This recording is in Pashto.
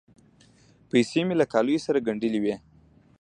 پیسې مې له کالیو سره ګنډلې وې.